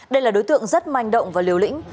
đây là đối tượng rất manh động và liều lĩnh